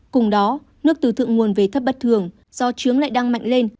cùng đó nước từ thượng nguồn về thấp bất thường do trướng lại đang mạnh lên